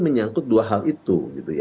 menyangkut dua hal itu